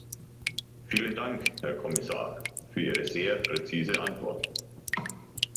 Vielen Dank, Herr Kommissar, für Ihre sehr präzise Antwort.